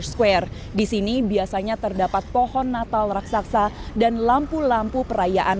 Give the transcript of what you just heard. saya ingin saya tidak pernah melakukan penyelamatan seperti ini